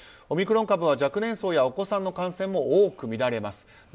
オミクロン株は若年層やお子さんの感染も多く見られます。